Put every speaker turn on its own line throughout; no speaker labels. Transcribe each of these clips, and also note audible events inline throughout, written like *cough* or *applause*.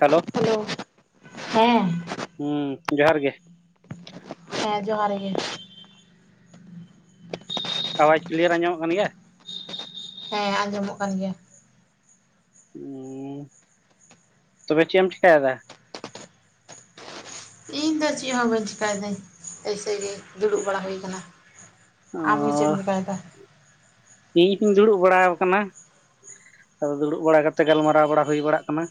Hello
ᱦᱮᱸ
᱾ᱦᱩᱸ ᱡᱚᱦᱟᱨ ᱜᱮ
ᱦᱮᱸ ᱡᱚᱦᱟᱨ ᱜᱮ
ᱟᱣᱟᱡᱽ ᱠᱞᱤᱭᱟᱨ ᱟᱸᱚᱢᱚᱜ ᱠᱟᱱ ᱜᱮᱭᱟ
ᱦᱮᱸ ᱟᱸᱡᱚᱢᱚᱜ ᱠᱟᱱ ᱜᱮᱭᱟ᱾
*unintelligible* ᱛᱚᱵᱮ ᱪᱮᱫ ᱮᱢ ᱪᱤᱠᱟᱭᱮᱫᱟ
ᱤᱧ ᱫᱚ ᱪᱮᱫ ᱦᱚᱸ ᱵᱟᱹᱧ ᱪᱮᱠᱟᱭ ᱫᱟᱹᱧ, ᱮᱭᱥᱮ ᱜᱮ ᱫᱩᱲᱩᱵ ᱵᱟᱲᱟ ᱦᱩᱭ ᱟᱠᱟᱱᱟ᱾
ᱚ
ᱟᱢ ᱜᱮ ᱪᱮᱫ ᱪᱤᱠᱟ ᱮᱫᱟ?
ᱤᱧ ᱦᱚᱧ ᱫᱩᱲᱩᱵ ᱵᱟᱲᱟ ᱟᱠᱟᱱᱟ᱾ ᱟᱫᱚ ᱫᱩᱲᱩᱵ ᱵᱟᱲᱟ ᱠᱟᱛᱮ ᱜᱟᱞᱢᱟᱨᱟᱣ ᱵᱟᱲᱟ ᱦᱩᱭ ᱵᱟᱲᱟᱜ ᱠᱟᱱᱟ᱾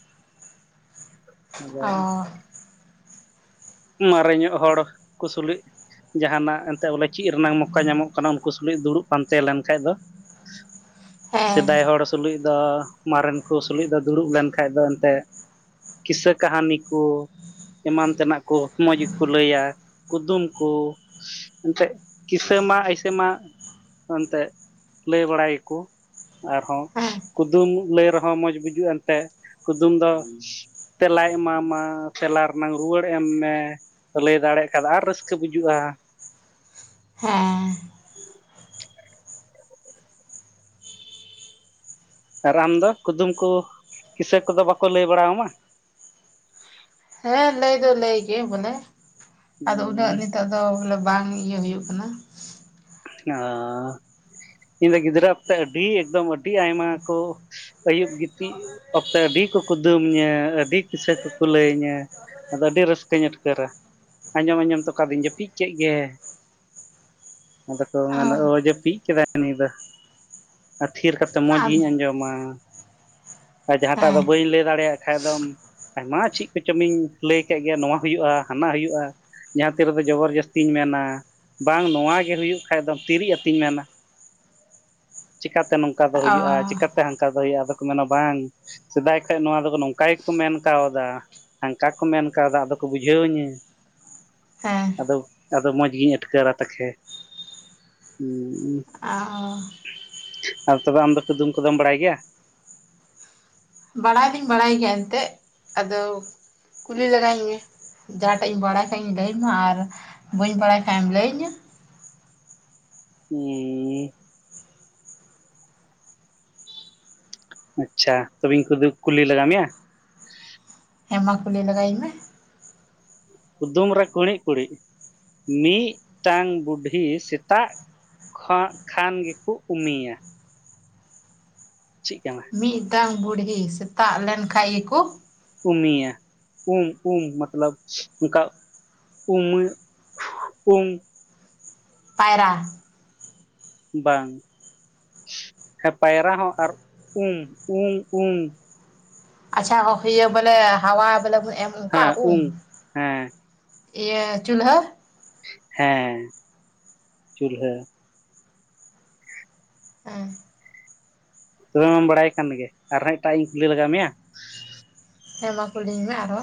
ᱟᱫᱚ
ᱚ
ᱢᱟᱨᱮ ᱧᱚᱜ ᱦᱚᱲ ᱠᱩ ᱥᱩᱞᱩᱡ ᱡᱟᱦᱟᱱᱟᱜ ᱮᱱᱛᱮᱫ ᱵᱚᱞᱮ ᱪᱮᱫ ᱨᱮᱱᱟᱜ ᱢᱚᱣᱠᱟ ᱧᱟᱢᱚᱜ ᱠᱟᱱᱟ ᱩᱱᱠᱩ ᱛᱩᱞᱩᱡ ᱫᱩᱲᱩᱵ ᱯᱟᱱᱛᱮ ᱞᱮᱱ ᱠᱷᱟᱡ ᱫᱚ
ᱦᱮᱸ
ᱥᱮᱫᱟᱭ ᱦᱚᱲ ᱥᱩᱞᱩᱡ ᱫᱚ, ᱢᱟᱨᱮᱱ ᱠᱚ ᱥᱩᱞᱩᱡ ᱫᱚ ᱫᱩᱲᱩᱵ ᱞᱮᱱ ᱠᱷᱟᱡ ᱫᱚ ᱮᱱᱛᱮᱫ ᱠᱤᱥᱟᱹ ᱠᱟᱹᱦᱱᱤ ᱠᱚ ᱮᱢᱟᱱ ᱛᱮᱱᱟᱜ ᱠᱚ ᱢᱚᱡᱽ ᱜᱮᱠᱚ ᱞᱟᱹᱭᱟ ᱠᱩᱫᱩᱢ ᱠᱚ ᱮᱱᱛᱮᱫ ᱠᱤᱥᱟᱹ ᱢᱟ ᱟᱭᱥᱮ ᱢᱟ ᱮᱱᱛᱮᱫ ᱞᱟᱹᱭ ᱵᱟᱲᱟᱭᱟᱠᱚ ᱟᱨᱦᱚᱸ
ᱦᱮᱸ
ᱠᱩᱫᱩᱢ ᱞᱟᱹᱭ ᱨᱮᱦᱚᱸ, ᱢᱚᱡᱽ ᱵᱩᱡᱩᱜᱼᱟ ᱮᱱᱛᱮ ᱠᱩᱫᱩᱢ ᱫᱚ ᱛᱮᱞᱟᱭ ᱮᱢᱟᱢᱟ, ᱛᱮᱞᱟ ᱨᱮᱱᱟᱝ ᱨᱩᱣᱟᱹᱲ ᱮᱢ ᱢᱮ ᱞᱟᱹᱭ ᱫᱟᱲᱮᱭᱟᱜ ᱠᱷᱟᱱ ᱟᱨ ᱨᱟᱹᱥᱠᱟᱹ ᱵᱩᱡᱩᱜᱼᱟ᱾
ᱦᱮᱸ
ᱟᱨ ᱟᱢ ᱫᱚ ᱠᱩᱫᱩᱢ ᱠᱚ ᱠᱤᱥᱟᱹ ᱠᱚᱫᱚ ᱵᱟᱠᱚ ᱞᱟᱹᱭ ᱵᱟᱲᱟ ᱟᱢᱟ
ᱦᱮᱸ ᱞᱟᱹᱭ ᱫᱚ ᱞᱟᱹᱭ ᱜᱮ ᱵᱚᱞᱮ, ᱟᱫᱚ ᱩᱱᱟᱹᱜ ᱱᱤᱛᱚᱜ ᱫᱚ ᱵᱚᱞᱮ ᱵᱟᱝ ᱤᱭᱟᱹ ᱦᱩᱭᱩᱜ ᱠᱟᱱᱟ
ᱚᱻ ᱤᱧ ᱫᱚ ᱜᱤᱫᱽᱨᱟᱹ ᱚᱠᱛᱮ ᱟᱹᱰᱤ ᱮᱠᱫᱚᱢ ᱟᱹᱰᱤ ᱟᱭᱢᱟ ᱠᱚ ᱟᱹᱭᱩᱵ ᱜᱤᱛᱤᱡ ᱚᱠᱛᱮ ᱟᱹᱰᱤ ᱠᱚ ᱠᱩᱫᱩᱢ ᱤᱧᱟᱹ ᱟᱹᱰᱤ ᱠᱤᱥᱟᱹ ᱠᱚᱠᱚ ᱞᱟᱹᱭ ᱤᱧᱟ ᱟᱫᱚ ᱟᱹᱰᱤ ᱨᱟᱹᱥᱠᱟᱹᱧ ᱟᱴᱠᱟᱹᱨᱟ ᱟᱸᱡᱚᱢ ᱟᱸᱡᱚᱢ ᱛᱮ ᱠᱟᱫᱤᱧ ᱡᱟᱹᱯᱤᱫ ᱠᱮᱫ ᱜᱮ᱾ ᱟᱫᱚ ᱠᱚ
ᱚ
ᱢᱮᱱᱟ ᱳ ᱡᱟᱯᱤᱫ ᱠᱮᱫᱟᱭ ᱩᱱᱤ ᱫᱚ ᱟᱨ ᱛᱷᱤᱨ ᱠᱟᱛᱮᱫ ᱢᱚᱸᱡᱽ
ᱟᱨ
ᱜᱤᱧ ᱟᱸᱡᱚᱢᱟ ᱟᱨ ᱡᱟᱦᱟᱸᱴᱟᱜ ᱫᱚ
ᱦᱮᱸ
ᱵᱟᱹᱧ ᱞᱟᱹᱭ ᱫᱟᱲᱮᱭᱟᱜ ᱠᱷᱟᱡ ᱫᱚ ᱟᱭᱢᱟ ᱪᱮᱫ ᱠᱚᱪᱚᱢᱤᱧ ᱞᱟᱹᱭ ᱠᱟᱜ ᱜᱮᱭᱟ ᱱᱚᱣᱟ ᱦᱩᱭᱩᱜᱼᱟ ᱦᱟᱱᱟ ᱦᱩᱭᱩᱜᱼᱟ ᱡᱟᱦᱟᱸ ᱛᱤ ᱨᱮᱫᱚ ᱡᱚᱵᱚᱨ ᱡᱟᱹᱥᱛᱤᱧ ᱢᱮᱱᱟ ᱵᱟᱝ ᱱᱚᱣᱟ ᱜᱮ ᱦᱩᱭᱩᱜ ᱠᱷᱟᱱ ᱛᱤᱨᱤᱡ ᱟᱹᱛᱤᱧ ᱢᱮᱱᱟ ᱪᱤᱠᱟᱹᱛᱮ ᱱᱚᱝᱠᱟ ᱫᱚ
ᱚ
ᱦᱩᱭᱩᱜᱼᱟ, ᱪᱤᱠᱟᱹᱛᱮ ᱦᱟᱱᱠᱟ ᱦᱩᱭᱩᱜᱼᱟ, ᱟᱫᱚ ᱠᱚ ᱢᱮᱱᱟ ᱵᱟᱝ ᱥᱮᱫᱟᱭ ᱠᱷᱚᱱ ᱱᱚᱣᱟ ᱫᱚ ᱱᱚᱝᱠᱟ ᱜᱮᱠᱚ ᱢᱮᱱ ᱠᱟᱣᱫᱟ ᱦᱟᱱᱠᱟ ᱠᱚ ᱢᱮᱱ ᱠᱟᱶᱫᱟ ᱟᱫᱚ ᱠᱚ ᱵᱩᱡᱷᱟᱹᱣ ᱤᱧᱟᱹ
ᱦᱮᱸ
ᱟᱫᱚ ᱟᱫᱚ ᱢᱚᱡᱽ ᱜᱤᱧ ᱟᱴᱠᱟᱹᱨᱟ ᱛᱚᱠᱷᱮ *unintelligible*
ᱚ
ᱛᱚᱵᱮ ᱟᱢ ᱫᱚ ᱠᱩᱫᱩᱢ ᱠᱚᱫᱚᱢ ᱵᱟᱲᱟᱭ ᱜᱮᱭᱟ?
ᱵᱟᱲᱟᱭ ᱫᱩᱧ ᱵᱟᱲᱟᱭ ᱜᱮᱭᱟ ᱮᱱᱛᱮᱫ ᱟᱫᱚ ᱠᱩᱞᱤ ᱞᱟᱜᱟᱭᱤᱧ ᱢᱮ ᱡᱟᱦᱟᱸᱴᱟᱜ ᱤᱧ ᱵᱟᱲᱟᱭ ᱠᱷᱟᱡᱤᱧ ᱞᱟᱹᱭᱟᱢᱟ ᱟᱨ ᱵᱟᱹᱧ ᱵᱟᱲᱟᱭ ᱠᱷᱟᱡᱮᱢ ᱞᱟᱹᱭᱟᱹ ᱤᱧᱟ
ᱦᱮᱸ ᱟᱪᱪᱷᱟ ᱛᱚᱵᱤᱧ ᱠᱩᱫᱚᱜ ᱠᱩᱞᱤ ᱞᱟᱜᱟ ᱢᱮᱭᱟ᱾
ᱦᱮᱸ ᱢᱟ ᱠᱩᱞᱤ ᱞᱟᱜᱟᱭᱤᱧ ᱢᱮ᱾
ᱠᱩᱫᱩᱢ ᱨᱮ ᱠᱩᱲᱤᱫ ᱠᱩᱲᱤᱫ ᱢᱤᱫᱴᱟᱝ ᱵᱩᱰᱷᱤ ᱥᱮᱛᱟᱜ ᱠᱷᱟᱱ ᱜᱮᱠᱚ ᱩᱢᱤᱭᱟ ᱪᱮᱫ ᱠᱟᱱᱟ
ᱢᱤᱫᱴᱟᱝ ᱵᱩᱰᱦᱤ ᱥᱮᱛᱟᱜ ᱞᱮᱱ ᱠᱷᱟᱱ ᱜᱮᱠᱚ
ᱩᱢᱤᱭᱟ ᱩᱢ ᱩᱢ ᱢᱚᱛᱞᱚᱵᱽ ᱚᱱᱠᱟ ᱩᱢᱮ *unintelligible* ᱩᱢ
ᱯᱟᱭᱨᱟ
ᱵᱟᱝ ᱾ᱯᱟᱭᱨᱟ ᱦᱚᱸ ᱟᱨ ᱩᱢ ᱩᱢ ᱩᱢ
ᱟᱪᱪᱷᱟ ᱤᱭᱟᱹ ᱵᱚᱞᱮ ᱦᱟᱣᱟ ᱵᱚᱞᱮ ᱵᱚᱱ ᱮᱢ ᱚᱱᱠᱟ
ᱦᱮᱸ
ᱟᱵᱩ
ᱩᱢ ᱦᱮᱸ
ᱤᱭᱟᱹ ᱪᱩᱞᱦᱟᱹ᱾
ᱦᱮᱸ ᱪᱩᱞᱦᱟᱹ᱾
ᱦᱩᱸ᱾
ᱛᱚᱵᱮ ᱢᱟᱢ ᱵᱟᱰᱟᱭ ᱠᱟᱱ ᱜᱮ ᱟᱨᱦᱚᱸ ᱮᱴᱟᱜ ᱤᱧ ᱠᱩᱞᱤ ᱞᱟᱜᱟ ᱢᱮᱭᱟ᱾
ᱦᱮᱸ ᱢᱟ ᱠᱩᱞᱤᱧ ᱢᱮ ᱟᱨᱦᱚ᱾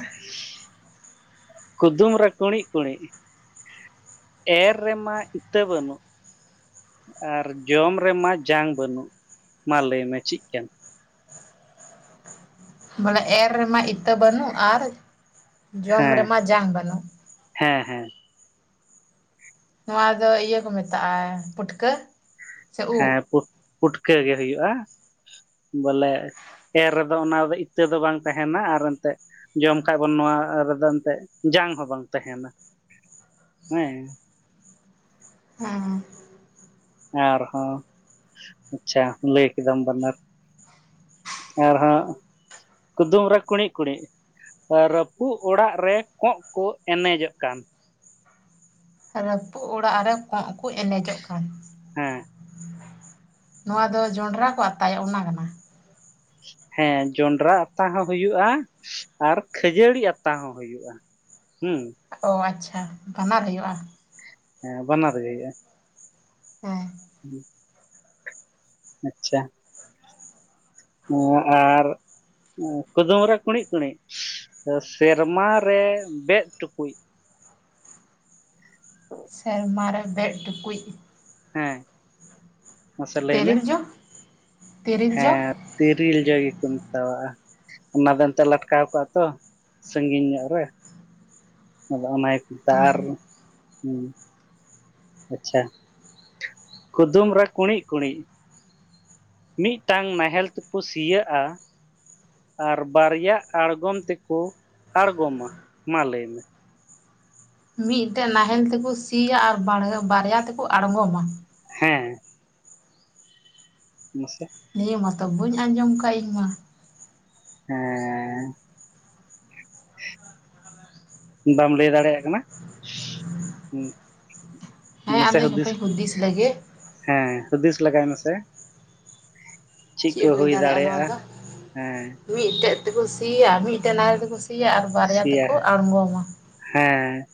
*inaudible* ᱠᱩᱫᱩᱢ ᱨᱮ ᱠᱩᱬᱤᱜ ᱠᱩᱬᱤᱜ᱾ ᱮᱨ ᱨᱮᱢᱟ ᱤᱛᱟᱹ ᱵᱟᱹᱱᱩᱜ᱾ ᱟᱨ ᱡᱚᱢ ᱨᱮᱢᱟ ᱡᱟᱝ ᱵᱟᱹᱱᱩᱜ ᱢᱟ ᱞᱟᱹᱭ ᱢᱮ ᱪᱤᱜ ᱠᱟᱱᱟ᱾
ᱵᱚᱞᱮ ᱮᱨ ᱨᱮᱢᱟ ᱤᱛᱟᱹ ᱵᱟᱹᱱᱩᱜ *inaudible* ᱟᱨ ᱡᱚᱢ
ᱦᱮᱸ
ᱨᱮᱢᱟ ᱡᱟᱝ ᱵᱟᱹᱱᱩᱜ᱾
ᱦᱮᱸ ᱦᱮᱸ᱾
ᱱᱚᱣᱟ ᱫᱚ ᱤᱭᱟᱹ ᱠᱚ ᱢᱮᱛᱟᱜᱼᱟ ᱯᱩᱴᱠᱟᱹ᱾ ᱥᱮ ᱩᱫ
ᱦᱮᱸ ᱯᱩᱜ ᱯᱩᱴᱠᱟᱹ ᱜᱮ ᱦᱩᱭᱩᱜᱼᱟ ᱵᱚᱞᱮ᱾ ᱮᱨ ᱨᱮᱫᱚ ᱚᱱᱟ ᱫᱚ ᱤᱛᱟᱹ ᱫᱚ ᱵᱟᱝ ᱛᱟᱦᱮᱱᱟ ᱟᱨ ᱮᱱᱛᱮᱜ᱾ ᱡᱚᱢ ᱠᱷᱟᱜ ᱵᱚᱱ ᱱᱚᱣᱟ ᱨᱮᱫᱚ ᱮᱱᱛᱮᱜ ᱡᱟᱝ ᱦᱚᱸ ᱵᱟᱝ ᱛᱮᱦᱮᱱᱟ ᱦᱮᱸ᱾
ᱦᱮᱸ᱾
ᱟᱨᱦᱚᱸ ᱟᱪᱪᱷᱟ ᱞᱟᱹᱭ ᱠᱮᱫᱟᱢ ᱵᱟᱱᱱᱟᱨ᱾ ᱟᱨᱦᱚᱸ ᱠᱩᱫᱩᱢ ᱨᱮ ᱠᱩᱬᱤᱜ ᱠᱩᱬᱤᱜ᱾ ᱨᱟᱹᱯᱩᱜ ᱚᱲᱟᱜ ᱨᱮ ᱠᱚᱜ ᱠᱚ ᱮᱱᱮᱡᱚᱜ ᱠᱟᱱ᱾
ᱨᱟᱹᱯᱩᱜ ᱚᱲᱟᱜ ᱨᱮ ᱠᱚᱸᱜ ᱠᱚ ᱮᱱᱮᱡᱚᱜ ᱠᱟᱱ᱾ *inaudible*
ᱦᱮᱸ
ᱱᱚᱣᱟ ᱫᱚ ᱡᱚᱸᱱᱰᱨᱟ ᱠᱚ ᱟᱛᱟᱭᱟ ᱚᱱᱟ ᱠᱟᱱᱟ᱾
ᱦᱮᱸ ᱡᱚᱸᱱᱰᱨᱟ ᱟᱛᱟ ᱦᱚᱸ ᱦᱩᱭᱩᱜᱼᱟ ᱟᱨ ᱠᱷᱟᱹᱡᱟᱹᱲᱤ ᱟᱛᱟ ᱦᱚᱸ ᱦᱩᱭᱩᱜᱼᱟ᱾ ᱦᱩᱸ᱾
ᱚ ᱟᱪᱪᱷᱟ ᱠᱟᱱᱟᱨ ᱦᱩᱭᱩᱜᱼᱟ᱾
ᱦᱮᱸ ᱵᱟᱱᱟᱨ ᱜᱮ ᱦᱩᱭᱩᱜᱼᱟ᱾
ᱦᱮᱸ᱾
*inaudible* ᱟᱪᱪᱷᱟ᱾ *unintelligible* ᱳᱳ ᱟᱨ- ᱠᱩᱫᱩᱢ ᱨᱮ ᱠᱩᱬᱤᱜ ᱠᱩᱬᱤᱜ ᱥᱮᱨᱢᱟ ᱨᱮ ᱵᱮᱜ ᱴᱩᱠᱩᱡ᱾
ᱥᱮᱨᱢᱟ ᱨᱮ ᱵᱮᱜ ᱴᱩᱠᱩᱡ᱾
ᱦᱮᱸ᱾ *inaudible* ᱢᱮ
ᱛᱮᱨᱤᱞ ᱡᱚ᱾ ᱛᱮᱨᱮᱞ ᱡᱚ
ᱦᱮᱸ ᱛᱤᱨᱤᱞ ᱡᱚ ᱜᱮᱠᱚ ᱢᱮᱛᱟᱣᱟᱜᱼᱟ᱾ ᱚᱱᱟ ᱫᱚ ᱮᱱᱛᱮᱜ ᱞᱟᱴᱠᱟᱣ ᱠᱚᱜᱼᱟ ᱛᱚ ᱥᱟᱺᱜᱤᱧ ᱧᱚᱜ ᱨᱮ᱾ ᱟᱫᱚ ᱚᱱᱟ ᱠᱚ ᱢᱮᱛᱟᱜ ᱟ
ᱦᱮᱸ
ᱟᱨ- ᱟᱪᱪᱷᱟ *inaudible* ᱠᱩᱫᱩᱢ ᱨᱮ ᱠᱩᱬᱤᱜ ᱠᱩᱬᱤᱜ᱾ ᱢᱤᱫᱴᱟᱝ ᱱᱟᱦᱮᱞ ᱛᱮᱠᱚ ᱥᱤᱭᱟᱹᱜᱼᱟ᱾ ᱟᱨ ᱵᱟᱨᱭᱟ ᱟᱬᱜᱚᱢ ᱛᱮᱠᱚ ᱟᱬᱜᱚᱢᱟ ᱢᱟ ᱞᱟᱹᱭ ᱢᱮ᱾
ᱢᱤᱫᱴᱮᱜ ᱱᱟᱦᱮᱞ ᱛᱮᱠᱚ ᱥᱤᱭᱟ ᱟᱨ ᱵᱟᱲᱦᱟ ᱵᱟᱨᱭᱟ ᱛᱮᱠᱚ ᱟᱲᱜᱚᱢᱢᱟ᱾
ᱦᱮᱸ ᱢᱚᱥᱮ
ᱱᱤᱭᱟᱹ ᱢᱟᱛᱚ ᱵᱟᱹᱧ ᱟᱸᱡᱚᱢ ᱠᱟᱜ ᱤᱧ ᱢᱟ᱾
ᱦᱮᱸ᱾ ᱵᱟᱢ ᱞᱟᱹᱭ ᱫᱟᱲᱮᱭᱟᱜ ᱠᱟᱱᱟ᱾
ᱦᱮᱸ
ᱱᱟᱥᱮ
ᱟᱫᱚᱧ
ᱦᱩᱫᱤᱥ
ᱦᱟᱯᱮᱧ ᱞᱮᱜᱮ
ᱦᱮᱸ ᱦᱩᱫᱤᱥ ᱞᱟᱜᱟᱭ ᱢᱮᱥᱮ᱾ *inaudible* ᱪᱤᱜ ᱠᱩ
ᱪᱮᱫ
ᱦᱩᱭ ᱫᱟᱲᱮᱭᱟᱜᱼᱟ ᱦᱮᱸ᱾
ᱢᱤᱫ ᱴᱮᱡ ᱛᱮᱠᱩ ᱥᱤᱭᱟ ᱢᱤᱫᱴᱮᱜ ᱱᱟᱦᱮᱞ ᱛᱮᱠᱚ ᱥᱤᱭᱟ ᱟᱨ ᱵᱟᱨᱭᱟ
ᱥᱮᱭᱟ
ᱛᱮᱠᱚ ᱟᱬᱜᱚᱢᱟ᱾
ᱦᱮᱸ᱾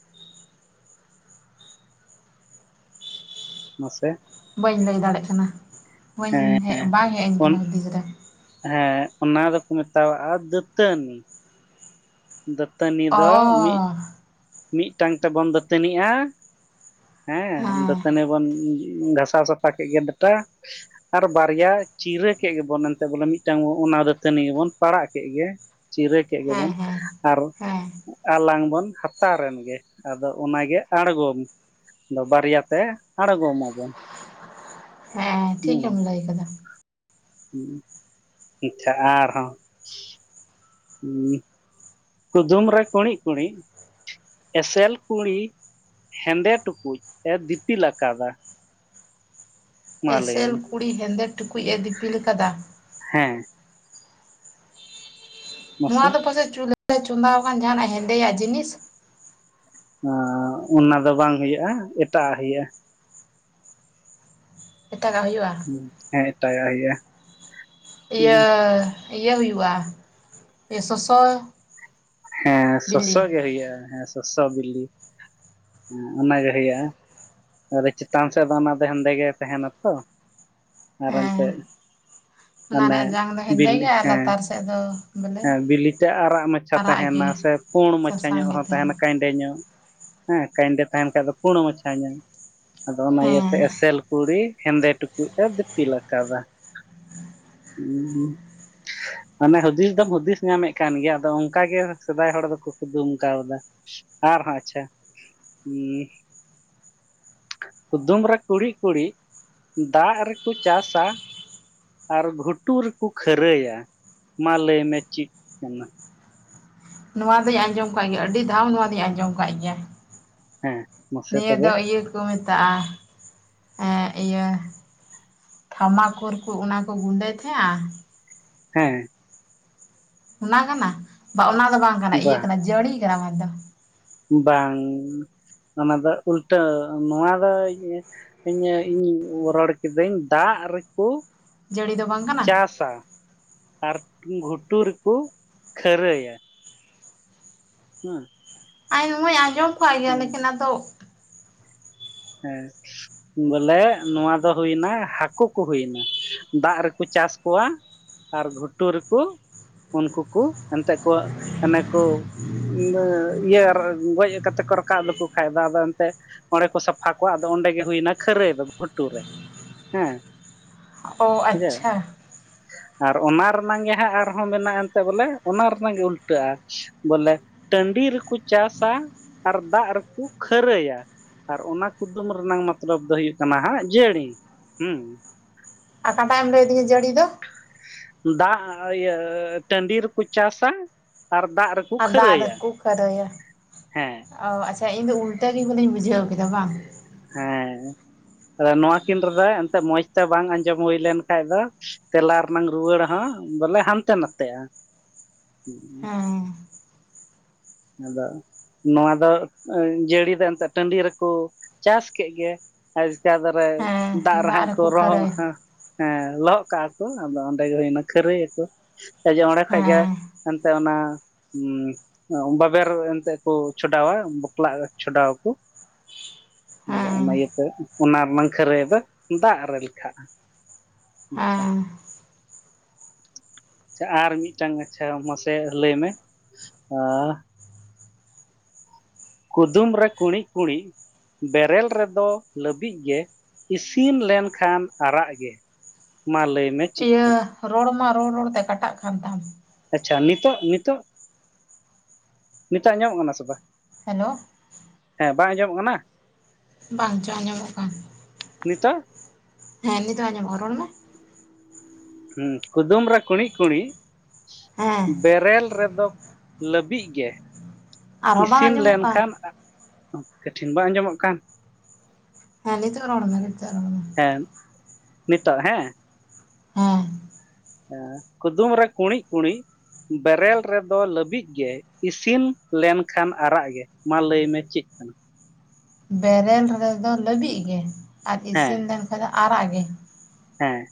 ᱢᱟᱥᱮ᱾
ᱵᱟᱹᱧ ᱞᱟᱹᱭ ᱫᱟᱲᱮᱜ ᱠᱟᱱᱟ ᱵᱟᱹᱧ ᱦᱮᱡ ᱵᱟᱝ ᱦᱮᱡ ᱟᱹᱧ ᱠᱟᱱᱟ ᱦᱩᱫᱤᱥ ᱨᱮ᱾
ᱦᱮᱸ ᱚᱱᱟ ᱫᱚᱠᱚ ᱢᱮᱛᱟᱣᱟᱜᱼᱟ ᱫᱟᱹᱛᱟᱹᱱᱤ ᱫᱟᱹᱛᱟᱹᱱᱤ ᱫᱚ
ᱚ
ᱢᱤᱜ ᱢᱤᱫᱴᱟᱝ ᱛᱮᱵᱚᱱ ᱫᱟᱹᱛᱟᱹᱱᱤᱜᱼᱟ ᱦᱮᱸ ᱫᱟᱹᱛᱟᱹᱱᱤ ᱵᱚᱱ ᱜᱷᱟᱥᱟᱣ ᱥᱟᱯᱷᱟ ᱠᱮᱫ ᱜᱮᱭᱟ ᱰᱟᱴᱟ ᱟᱨ ᱵᱟᱨᱭᱟ ᱪᱤᱨᱟᱹ ᱠᱮᱫ ᱜᱮᱵᱚᱱ ᱮᱱᱛᱮᱫ ᱵᱚᱞᱮ ᱢᱤᱫᱴᱟᱝ ᱚᱱᱟ ᱫᱟᱹᱛᱟᱹᱱᱤ ᱜᱮᱵᱚᱱ ᱯᱟᱲᱟᱜ ᱠᱮᱜ ᱜᱮ ᱪᱤᱨᱟᱹ ᱠᱮᱫ
ᱦᱮᱸ
ᱜᱮᱵᱚᱱ
ᱦᱮᱸ
ᱟᱨ
ᱦᱮᱸ
ᱟᱞᱟᱝ ᱵᱚᱱ ᱦᱟ ᱛᱟᱨ ᱨᱮᱱ ᱜᱮ ᱟᱫᱚ ᱚᱱᱟᱜᱮ ᱟᱬᱜᱚᱢ ᱟᱫᱚ ᱵᱟᱨᱭᱟᱛᱮ ᱟᱬᱜᱚᱢ ᱢᱟᱵᱚᱱ
ᱦᱮᱸ ᱴᱷᱤᱠᱮᱢ ᱞᱟᱹᱭ ᱟᱠᱟᱫᱟ
ᱦᱩᱸ *unintelligible* ᱟᱨᱦᱚᱸ ᱦᱩᱸ ᱠᱩᱫᱩᱢ ᱨᱮ ᱠᱩᱬᱤᱫ ᱠᱩᱬᱤᱫ ᱮᱥᱮᱞ ᱠᱩᱬᱤ ᱦᱮᱸᱫᱮ ᱴᱩᱠᱩᱡ ᱮ ᱫᱤᱯᱤᱞ ᱟᱠᱟᱫᱟ ᱢᱟ ᱞᱟᱹᱭ
ᱮᱥᱮᱞ
ᱢᱮ
ᱠᱩᱲᱤ ᱦᱮᱸᱫᱮ ᱴᱩᱠᱩᱡ ᱮ ᱫᱤᱯᱤᱞ ᱟᱠᱟᱫᱟ
ᱦᱮᱸ
ᱱᱚᱣᱟ
ᱢᱟᱥᱮ
ᱫᱚ ᱯᱟᱥᱮᱡ ᱪᱩᱞᱦᱟᱹ *unintelligible* ᱪᱚᱸᱫᱟ ᱟᱠᱟᱱ ᱡᱟᱦᱟᱱᱟᱜ ᱦᱮᱸᱫᱮᱭᱟᱜ ᱡᱤᱱᱤᱥ
ᱟ ᱚᱱᱟ ᱫᱚ ᱵᱟᱝ ᱦᱩᱭᱩᱜᱼᱟ ᱮᱴᱟᱜ ᱦᱮᱭᱟᱜᱼᱟ
ᱮᱴᱟᱜᱟᱜ ᱦᱩᱭᱩᱜᱼᱟ
ᱦᱩ ᱦᱮᱸ *unintelligible*
ᱤᱭᱟᱹ ᱤᱭᱟᱹ ᱦᱩᱭᱩᱜᱼᱟ ᱤᱭᱟᱹ ᱥᱚᱥᱚ
ᱦᱮᱸ ᱥᱚᱥᱚ
ᱵᱤᱞᱤ
ᱜᱮ ᱦᱩᱭᱩᱜᱼᱟ ᱦᱮᱸ ᱥᱚᱥᱚ ᱵᱤᱞᱤ ᱦᱮ ᱚᱱᱟᱜᱮ ᱦᱩᱭᱩᱜᱼᱟ ᱟᱫᱚ ᱪᱮᱛᱟᱱ ᱥᱮᱫ ᱫᱚ ᱚᱱᱟ ᱫᱚ ᱦᱮᱸᱫᱮ ᱜᱮ ᱛᱟᱦᱮᱱᱟ ᱛᱚ ᱟᱨ
ᱦᱮᱸ
ᱮᱱᱛᱮᱫ
ᱚᱱᱟ
ᱢᱟᱱᱮ
ᱨᱮᱭᱟᱜ ᱡᱟᱝ ᱫᱚ ᱦᱮᱸᱫᱮ ᱜᱮ
ᱵᱤᱞᱤ
ᱟᱨ
ᱦᱮᱸ
ᱞᱟᱛᱟᱨ ᱥᱮᱫ ᱫᱚ ᱵᱚᱞᱮ
ᱦᱮᱸ ᱵᱤᱞᱤᱛᱮ ᱟᱨᱟᱜ ᱢᱟᱪᱷᱟ
ᱟᱨᱟᱜ
ᱛᱟᱦᱮᱱᱟ
ᱜᱮ
ᱥᱮ ᱯᱩᱸᱲ ᱢᱟᱪᱷᱟ
ᱥᱟᱥᱟᱝ
ᱧᱚᱜ
ᱜᱮ
ᱦᱚᱸ ᱛᱟᱦᱮᱱᱟ *inaudible* *unintelligible* ᱦᱮᱸ ᱠᱟᱭᱮᱱᱰᱮ ᱛᱟᱦᱮᱱ ᱠᱷᱟᱡ ᱫᱚ ᱯᱩᱲ ᱢᱟᱪᱷᱟ ᱧᱚᱜ ᱟᱫᱚ ᱚᱱᱟ ᱤᱭᱟᱹᱛᱮ
ᱦᱮᱸ
ᱮᱥᱮᱞ ᱠᱩᱲᱤ ᱦᱮᱸᱫᱮ ᱴᱩᱠᱩᱡ ᱮ ᱫᱤᱯᱤᱞ ᱟᱠᱟᱫᱟ
*inaudible*
*inaudible* ᱢᱟᱱᱮ ᱦᱩᱫᱤᱥ ᱫᱚᱢ ᱦᱩᱫᱤᱥ ᱧᱟᱢᱮᱜ ᱠᱟᱱ ᱜᱮᱭᱟ ᱟᱫᱚ ᱚᱱᱠᱟ ᱜᱮ ᱥᱮᱫᱟᱭ ᱦᱚᱲ ᱫᱚᱠᱚ ᱠᱩᱫᱩᱢ ᱠᱟᱣᱫᱟ ᱟᱨᱦᱚᱸ ᱟᱪᱪᱷᱟ ᱩᱸᱻ ᱠᱩᱫᱩᱢ ᱨᱮ ᱠᱩᱲᱤᱫ ᱠᱩᱲᱤᱫ ᱫᱟᱜ ᱨᱮᱠᱚ ᱪᱟᱥᱟ ᱟᱨ ᱜᱷᱩᱴᱩ ᱨᱮᱠᱚ ᱠᱷᱟᱹᱨᱟᱹᱭᱟ ᱢᱟ ᱞᱟᱹᱭ ᱢᱮ ᱪᱤᱜ ᱠᱟ‌‌ᱱᱟ?
ᱱᱚᱣᱟ ᱫᱚᱧ ᱟᱸᱡᱚᱢ ᱠᱟᱜ ᱜᱮᱭᱟ ᱟᱹᱰᱤ ᱫᱷᱟᱣ ᱱᱚᱣᱟ ᱫᱚᱧ ᱟᱸᱡᱚᱢ ᱠᱟᱜ ᱜᱮᱭᱟ
ᱦᱮᱸ ᱢᱟᱥᱮ
ᱱᱤᱭᱟᱹ
ᱛᱚᱵᱮ
ᱫᱚ ᱤᱭᱟᱹ ᱠᱚ ᱢᱮᱛᱟᱜᱼᱟ ᱮ ᱤᱭᱟᱹ ᱛᱷᱟᱢᱟᱠᱩᱨ ᱠᱚ ᱚᱱᱟ ᱠᱚ ᱜᱩᱸᱰᱟᱹᱭ ᱛᱟᱦᱮᱸᱜᱼᱟ
ᱦᱮᱸ
ᱚᱱᱟ ᱠᱟᱱᱟ ᱵᱟᱝ ᱚᱱᱟ ᱫᱚ ᱵᱟᱝ ᱠᱟᱱᱟ
ᱵᱟ
ᱤᱭᱟᱹ ᱠᱟᱱᱟ ᱡᱟᱹᱲᱤ ᱠᱟᱱᱟ ᱦᱚᱭᱛᱚ
ᱵᱟᱝ ᱚᱱᱟ ᱫᱚ ᱩᱞᱴᱟᱹ ᱱᱚᱣᱟ ᱫᱚ ᱤᱧ ᱨᱚᱲ ᱠᱤᱫᱟᱹᱧ ᱫᱟᱜ ᱨᱮᱠᱚ
ᱡᱟᱹᱲᱤ ᱫᱚ ᱵᱟᱝ ᱠᱟᱱᱟ
ᱪᱟᱥᱟ ᱟᱨ ᱜᱷᱩᱴᱩ ᱨᱮᱠᱩ ᱠᱷᱟᱹᱨᱟᱹᱭᱟ *unintelligible*
ᱟᱡ ᱦᱚᱭ ᱟᱸᱡᱚᱢ ᱠᱟᱜ ᱜᱮᱭᱟ ᱞᱮᱠᱤᱱ ᱟᱫᱚ
ᱦᱮᱸ ᱵᱚᱞᱮ ᱱᱚᱣᱟ ᱫᱚ ᱦᱩᱭᱱᱟ ᱦᱟᱹᱠᱩ ᱠᱚ ᱦᱩᱭᱱᱟ ᱫᱟᱜ ᱨᱮᱠᱚ ᱪᱟᱥ ᱠᱚᱣᱟ ᱟᱨ ᱜᱷᱩᱴᱩ ᱨᱮᱠᱚ ᱩᱱᱠᱩ ᱠᱚ ᱮᱱᱛᱮᱫ ᱠᱚ ᱚᱱᱮ ᱠᱚ ᱤᱭᱟᱹ ᱜᱚᱡ ᱠᱟᱛᱮ ᱠᱚ ᱨᱟᱠᱟᱵ ᱞᱮᱠᱚ ᱠᱷᱟᱡ ᱫᱚ ᱟᱫᱚ ᱮᱱᱛᱮ ᱚᱬᱮ ᱠᱚ ᱥᱟᱯᱷᱟ ᱟᱠᱚᱣᱟᱜ ᱫᱚ ᱚᱸᱰᱮ ᱜᱮ ᱦᱩᱭᱱᱟ ᱠᱷᱟᱹᱨᱟᱹᱭ ᱫᱚ ᱵᱷᱩᱴᱩ ᱨᱮ ᱦᱮᱸ
ᱚ
ᱵᱩᱡᱷᱟᱹᱣ
ᱟᱪᱪᱷᱟ
ᱟᱨ ᱚᱱᱟ ᱨᱮᱱᱟᱝ ᱜᱮ ᱦᱟᱸᱜ ᱟᱨᱦᱚᱸ ᱢᱮᱱᱟᱜ-ᱟ ᱮᱱᱛᱮ ᱵᱚᱞᱮ ᱚᱱᱟ ᱨᱮᱱᱟᱝ ᱜᱮ ᱩᱞᱴᱟᱹᱜᱼᱟ ᱵᱚᱞᱮ ᱴᱟᱺᱰᱤ ᱨᱮᱠᱚ ᱪᱟᱥᱟ ᱟᱨ ᱫᱟᱜ ᱨᱮᱠᱚ ᱠᱷᱟᱹᱨᱟᱹᱭᱟ ᱩᱫᱩᱢ ᱨᱮᱱᱟᱝ ᱢᱚᱛᱞᱚᱵ ᱫᱚ ᱦᱩᱭᱩᱜ ᱠᱟᱱᱟ ᱦᱟᱸᱜ ᱡᱟᱹᱲᱤ ᱦᱮᱸ
ᱚᱠᱟᱴᱟᱜ ᱮᱢ ᱞᱟᱹᱭᱟᱹᱫᱤᱧᱟ ᱡᱟᱹᱲᱤ ᱫᱚ
ᱫᱟᱜ ᱤᱭᱟᱹ ᱴᱟᱺᱰᱤ ᱨᱮᱠᱚ ᱪᱟᱥᱟ ᱟᱨ ᱫᱟᱜ ᱨᱮᱠᱚ
ᱟᱨ ᱫᱟᱜ
ᱠᱷᱟᱹᱨᱟᱹᱭᱟ
ᱨᱮᱠᱚ ᱠᱷᱟᱹᱨᱟᱹᱭᱟ
ᱦᱮᱸ
ᱚ ᱟᱪᱷᱟ ᱤᱧ ᱫᱚ ᱩᱞᱴᱟᱹ ᱜᱮ ᱵᱚᱞᱮᱧ ᱵᱩᱡᱷᱟᱹᱣ ᱠᱮᱫᱟ ᱵᱟᱝ
ᱦᱮᱸ ᱟᱫᱚ ᱱᱚᱶᱟ ᱠᱤᱱ ᱨᱮᱫᱚ ᱮᱱᱛᱮᱜ ᱢᱚᱡᱽ ᱛᱮ ᱵᱟᱝ ᱟᱸᱡᱚᱢ ᱦᱩᱭ ᱞᱮᱱ ᱠᱷᱟᱭᱜᱽ ᱫᱚ ᱮᱱᱟᱝ ᱨᱩᱣᱟᱹᱲ ᱦᱚᱸ ᱵᱚᱞᱮ ᱦᱟᱱᱛᱮ ᱱᱷᱟᱛᱮᱜ-ᱟ
ᱦᱮᱸ
ᱟᱫᱚ ᱱᱚᱣᱟ ᱫᱚ ᱡᱟᱹᱲᱤ ᱫᱚ ᱮᱱᱛᱮᱫ ᱴᱟᱺᱰᱤ ᱨᱮᱠᱚ ᱪᱟᱥ ᱠᱮᱜ ᱜᱮ ᱠᱟᱫ ᱨᱮ
ᱦᱮᱸ
ᱫᱟᱜ ᱨᱮᱦᱮᱸᱜ ᱠᱚ
ᱨᱮᱠᱚ
ᱨᱚᱦᱚᱜ
ᱠᱷᱟᱹᱨᱟᱹᱭᱟ
ᱦᱟᱸ ᱦᱮᱸ ᱞᱚᱦᱚᱜ ᱠᱟᱟᱜᱠᱚ ᱟᱫᱚ ᱚᱸᱰᱮ ᱜᱮ ᱦᱩᱭᱱᱟ ᱠᱷᱟᱹᱨᱟᱹᱭᱟᱠᱚ ᱮ ᱡᱮ ᱚᱸᱰᱮ ᱠᱷᱚᱭᱜᱽ ᱜᱮ
ᱦᱮᱸ
ᱮᱱᱛᱮᱜ ᱚᱱᱟ ᱵᱟᱵᱮᱨ ᱮᱱᱛᱜ ᱠᱚ ᱪᱷᱚᱰᱟᱣᱟ ᱵᱚᱠᱞᱟᱜ ᱪᱷᱚᱰᱟᱣᱟ ᱠᱚ ᱟᱫᱚ
ᱦᱮᱸ
ᱚᱱᱟ ᱤᱭᱟᱹᱛᱮ ᱚᱱᱟ ᱨᱮᱱᱟᱝ ᱠᱷᱟᱹᱨᱟᱹᱭ ᱫᱚ ᱫᱟᱜ ᱨᱮ ᱞᱮᱠᱷᱟᱜ-ᱟ
ᱦᱮᱸ
ᱟᱨ ᱢᱤᱫᱴᱟᱝ ᱟᱪᱷᱟ ᱢᱟᱥᱮ ᱞᱟᱹᱭ ᱢᱮ ᱟᱻ ᱨᱮ ᱠᱩᱲᱤᱸᱜ ᱠᱩᱲᱤᱸᱜ ᱵᱮᱨᱮᱞ ᱨᱮᱫᱚ ᱞᱟᱹᱵᱤᱫ ᱜᱮ ᱤᱥᱤᱱ ᱞᱮᱱᱠᱷᱟᱱ ᱟᱨᱟᱜ ᱜᱮ ᱞᱟᱹᱭ ᱢᱮ ᱪᱮᱫ
ᱟ.
ᱠᱟᱱᱟ
ᱦ ᱨᱚᱲ ᱢᱟ ᱨᱚᱲ ᱨᱚᱲ ᱛᱮ ᱠᱟᱴᱟᱜ ᱠᱟᱱ ᱛᱟᱢ
ᱱᱤᱛᱚᱜ ᱱᱤᱛᱚᱜ ᱟᱸᱡᱚᱢᱚᱜ ᱠᱟᱱᱟ ᱥᱮ ᱵᱟᱝ?
ᱦᱮᱞᱳ
ᱦᱮᱸ ᱵᱟᱝ ᱟᱸᱡᱚᱢᱚᱜ ᱠᱟᱱᱟ
ᱵᱟᱝᱪᱚ ᱟᱸᱡᱚᱢᱚᱜ ᱠᱟᱱ
ᱱᱤᱛᱚᱜ
ᱦᱮᱸ ᱱᱤᱛ ᱫᱚ ᱟᱸᱡᱚᱢᱚᱜ ᱨᱚᱲ ᱢᱮ
ᱠᱩᱫᱩᱢ ᱨᱮ ᱠᱩᱬᱤᱸᱜ ᱠᱩᱬᱤᱸᱜ
ᱦᱮᱸ
ᱵᱮᱨᱮᱞ ᱨᱮᱫᱚ ᱞᱟᱹᱵᱤᱜ ᱜᱮ
ᱟᱨᱦᱚᱸ ᱵᱟᱝ
ᱤᱥᱤᱱ
ᱟᱸᱡᱚᱢᱚᱜ ᱠᱟᱱ
ᱞᱮᱱᱠᱷᱟᱱ ᱠᱟᱴᱷᱤᱱ ᱵᱟᱝ ᱟᱸᱡᱚᱢᱚᱜ ᱠᱟᱱ
ᱨᱚᱲᱢᱮ ᱱᱤᱛᱚᱜ ᱨᱚᱲᱢᱮ
ᱦᱮᱸ ᱱᱤᱛᱚᱜ ᱦᱮᱸ
*inaudible*
ᱠᱩᱫᱩᱢ ᱨᱮ ᱠᱩᱬᱤᱸᱜ ᱠᱩᱬᱤᱸᱜ ᱵᱮᱨᱮᱞ ᱨᱮᱫᱚ ᱞᱟᱹᱵᱤᱜ ᱜᱮ ᱥᱤᱱ ᱞᱮᱱᱠᱷᱟᱱ ᱟᱨᱟᱜ ᱜᱮ ᱢᱟ ᱞᱟᱹᱭ ᱢᱮ ᱪᱮᱫ ᱠᱟᱱᱟ?
ᱵᱮᱨᱮᱞ ᱨᱮᱫᱚ ᱞᱟᱹᱵᱤᱜ ᱜᱮ ᱟᱨ
ᱦᱮᱸ
ᱤᱥᱤᱱ ᱞᱮᱱᱠᱷᱟᱱ ᱫᱚ ᱟᱨᱟᱜ ᱜᱮ?
ᱦᱮᱸ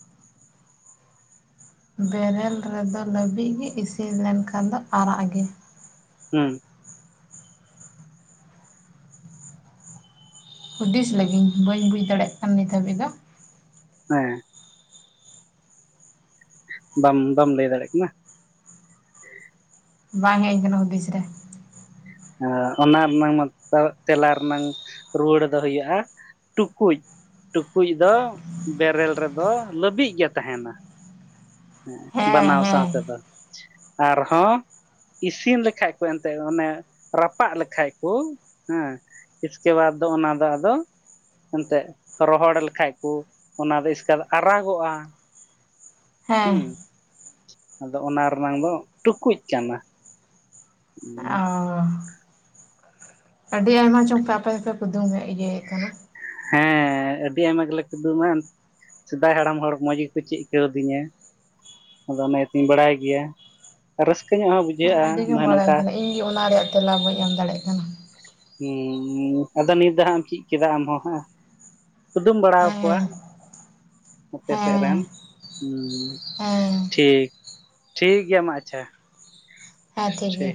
ᱵᱮᱨᱮᱞ ᱨᱮᱫᱚ ᱞᱟᱹᱵᱤᱫ ᱜᱮ ᱤᱥᱤᱱ ᱞᱮᱱᱠᱷᱟᱱ ᱫᱚ ᱟᱨᱟᱜ ᱜᱮ
ᱦᱩᱸ
ᱦᱩᱫᱤᱥ ᱞᱟᱹᱜᱤᱧ ᱵᱟᱹᱧ ᱵᱩᱡ ᱫᱟᱲᱮᱭᱟᱜ ᱠᱟᱱ ᱱᱤᱛ ᱦᱟᱹᱵᱤᱡ ᱫᱚ
ᱦᱮᱸ ᱵᱟᱢ ᱵᱟᱢ ᱞᱟᱹᱭ ᱫᱟᱲᱮᱭᱟᱜ ᱠᱟᱱᱟ
ᱵᱟᱝ ᱦᱮᱜ ᱟᱹᱧᱠᱟᱱᱟ ᱦᱩᱫᱤᱥ ᱨᱮ
ᱚᱱᱟ ᱨᱮᱱᱟᱝ ᱢᱟ ᱛᱮᱞᱟ ᱨᱮᱱᱟᱝ ᱨᱩᱣᱟᱹᱲ ᱫᱚ ᱦᱩᱭᱩᱜ-ᱟ ᱴᱩᱠᱩᱭᱡ ᱴᱩᱠᱩᱭᱜ ᱫᱚ ᱵᱮᱨᱮᱞ ᱨᱮᱫᱚ ᱞᱟᱹᱵᱤᱜ ᱜᱮ ᱛᱟᱦᱮᱱᱟ
ᱦᱮᱸ
ᱵᱟᱱᱟᱣ
ᱦᱮᱸ
ᱥᱟᱶᱛᱮ ᱫᱚ ᱦᱚᱸ ᱤᱥᱤᱱ ᱞᱮᱠᱷᱟᱡ ᱠᱚ ᱮᱱᱛᱮᱫ ᱚᱱᱮ ᱨᱟᱯᱟᱜ ᱞᱮᱠᱷᱟᱭᱜ ᱠᱚ ᱦᱮᱸ ᱤᱥᱠᱮ ᱵᱟᱫᱽ ᱫᱚ ᱚᱱᱟ ᱫᱚ ᱟᱫᱚ ᱨᱚᱦᱚᱲ ᱞᱮᱠᱷᱟᱭᱜ ᱠᱚ ᱚᱱᱟ ᱫᱚ ᱮᱥᱠᱟᱹ ᱫᱚ ᱟᱨᱟᱜᱚᱜ-ᱟ
ᱦᱮᱸ
ᱦᱩᱸ ᱟᱫᱚ ᱚᱱᱟ ᱨᱮᱱᱟᱝ ᱫᱚ ᱴᱩᱠᱩᱡ ᱠᱟᱱᱟ
ᱚ ᱟᱹᱰᱤ ᱟᱭᱢᱟ ᱪᱚᱝ ᱯᱮ ᱟᱯᱮ ᱫᱚᱯᱮ ᱠᱩᱫᱩᱢ ᱮᱫ ᱤᱭᱟᱹᱭᱮᱫ ᱠᱟᱱᱟ᱾
ᱦᱮᱸ ᱟᱹᱰᱤ ᱟᱭᱢᱟ ᱜᱮᱞᱮ ᱠᱩᱫᱩᱢᱟ ᱥᱮᱫᱟᱭ ᱦᱟᱲᱟᱢ ᱦᱚᱲ ᱢᱚᱡᱽ ᱜᱮᱠᱚ ᱪᱤᱫ ᱠᱟᱹᱣᱫᱤᱧᱟ᱾ ᱟᱫᱚ ᱚᱱᱟ ᱤᱭᱟᱹ ᱛᱤᱧ ᱵᱟᱲᱟᱭ ᱜᱮᱭᱟ ᱟᱨ ᱨᱟᱹᱥᱠᱟᱹ ᱧᱚᱜ ᱦᱚᱸ ᱵᱩᱡᱷᱟ
ᱟᱹᱰᱤ ᱜᱮᱢ ᱵᱟᱲᱟᱭ ᱠᱟᱱᱟ ᱤᱧᱜᱮ ᱚᱱᱟ ᱨᱮᱭᱟᱜ ᱛᱮᱞᱟ ᱵᱟᱹᱧ ᱮᱢ ᱫᱟᱲᱮᱜ ᱠᱟᱱᱟ᱾
*unintelligible* ᱟᱫᱚ ᱱᱤᱛ ᱫᱚ ᱦᱟᱸᱜ ᱮᱢ ᱪᱤᱫ ᱠᱮᱫᱟ ᱟᱢ ᱦᱚᱸ ᱦᱮᱸ ᱠᱩᱫᱩᱢ ᱵᱟᱲᱟ ᱟᱠᱚᱣᱟ
ᱦᱮᱸ
ᱟᱯᱮ ᱥᱮᱫ
ᱦᱮᱸ
ᱨᱮᱱ ᱦᱩᱸ
ᱦᱮᱸ
ᱴᱷᱤᱠ ᱴᱷᱤᱠ ᱜᱮᱭᱟ ᱢᱟ ᱟᱪᱪᱷᱟ
ᱦᱮᱸ ᱴᱷᱤᱠ ᱜᱮᱭᱟ᱾